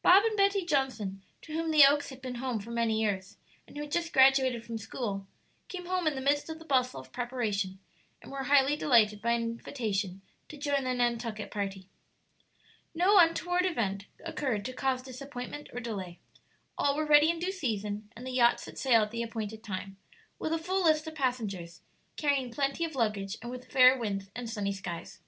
Bob and Betty Johnson, to whom the Oaks had been home for many years, and who had just graduated from school, came home in the midst of the bustle of preparation, and were highly delighted by an invitation to join the Nantucket party. No untoward event occurred to cause disappointment or delay; all were ready in due season, and the yacht set sail at the appointed time, with a full list of passengers, carrying plenty of luggage, and with fair winds and sunny skies.